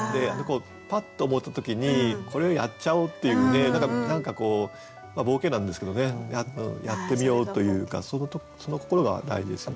パッと思った時にこれをやっちゃおうっていうんで何か冒険なんですけどねやってみようというかその心が大事ですよね。